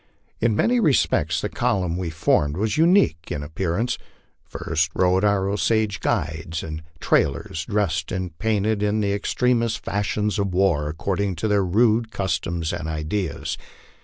In many respects the column we formed was unique in appearance. First rode our Osage guides and trailers, dressed and painted in the extremest fashions of war according to their rude customs and ideas.